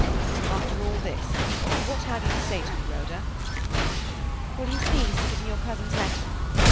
"After all this, what have you to say to me, Rhoda?" "Will you please to give me your cousin's letter?"